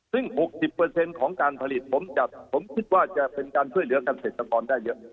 ซึ่งหกสิบเปอร์เซ็นต์ของการผลิตผมจะผมคิดว่าจะเป็นการช่วยเหลือการเศรษฐกรได้เยอะ